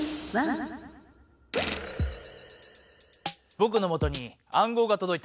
ぼくのもとに暗号がとどいた。